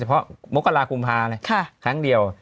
เฉพาะโมกราคุมภาค่ะครั้งเดียว